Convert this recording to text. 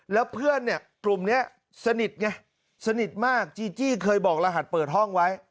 แล้วเพื่อนเนี่ยกลุ่มนี้สนิทไงสนิทมากจีจี้เคยบอกรหัสเปิดห้องไว้